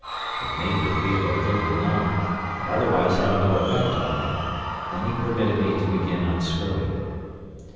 It made me feel a little numb, but otherwise had no effect on me. Then he permitted me to begin unscrewing.